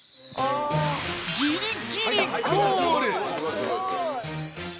ギリギリゴール！